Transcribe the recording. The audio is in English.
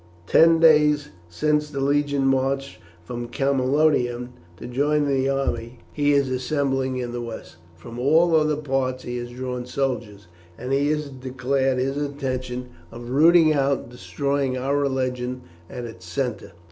Ten days since the legion marched from Camalodunum to join the army he is assembling in the west. From all other parts he has drawn soldiers, and he has declared his intention of rooting out and destroying our religion at its centre."